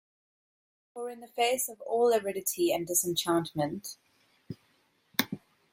For in the face of all aridity and disenchantment